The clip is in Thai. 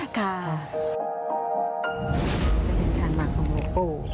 เป็นชาญหมากของหลวงปู